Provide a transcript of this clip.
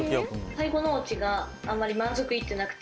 最後のオチがあんまり満足いってなくて。